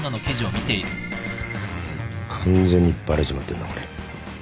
完全にバレちまってんなこれ。